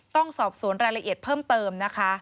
ต้องสอบสวนรายละเอียดเพิ่มเติมนะคะ